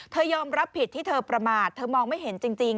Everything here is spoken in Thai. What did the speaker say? ยอมรับผิดที่เธอประมาทเธอมองไม่เห็นจริง